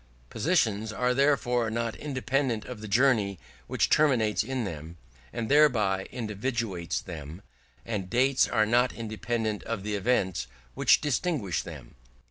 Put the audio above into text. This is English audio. Positions are therefore not independent of the journey which terminates in them, and thereby individuates them; and dates are not independent of the events which distinguish them.